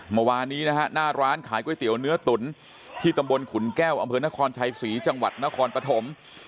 เมื่อวานนี้นะฮะหน้าร้านขายก๋วยเตี๋ยวเนื้อตุ๋นที่ตำบลขุนแก้วอำเภอนครชัยศรีจังหวัดนครปฐม